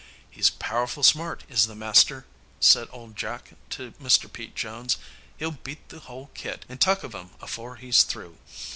"He's powerful smart, is the master," said old Jack to Mr. Pete Jones. "He'll beat the whole kit and tuck of 'em afore he's through.